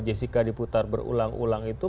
jessica diputar berulang ulang itu